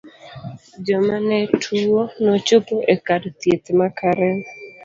Joma ne tuo nochopo e kar thieth ma karen.